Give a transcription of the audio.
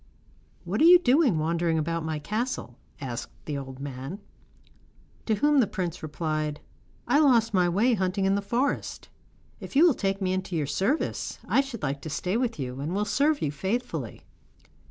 'What are you doing wandering about my castle?' asked the old man. To whom the prince replied: 'I lost my way hunting in the forest. If you will take me into your service, I should like to stay with you, and will serve you faithfully.